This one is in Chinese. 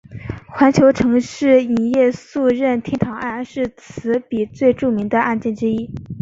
环球城市影业诉任天堂案是卡比最著名的案件之一。